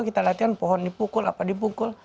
kita latihan pohon dipukul apa dipukul